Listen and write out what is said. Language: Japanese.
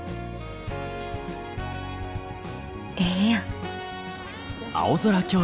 ええやん。